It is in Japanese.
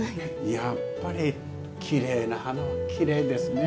やっぱりきれいな花はきれいですね。